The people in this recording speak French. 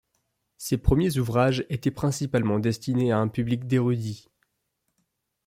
Ses premiers ouvrages étaient principalement destinés à un public d'érudits.